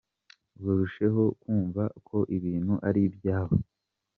barusheho kumva ko ibintu ari ibyabo.